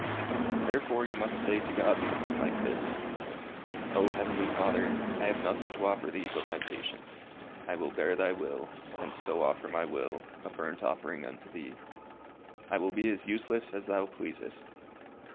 Therefore you must say to God something like this: 'O heavenly Father, I have nothing to offer thee but my patience. I will bear thy will, and so offer my will a burnt offering unto thee. I will be as useless as thou pleasest.